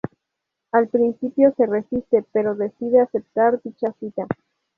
Al principio se resiste, pero decide aceptar dicha cita.